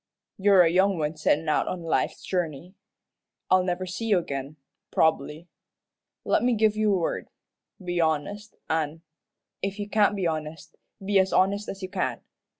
You're a young one settin' out on life's journey. I'll never see you agin, prob'bly. Let me give you a word be honest, an' if you can't be honest, be as honest as you can.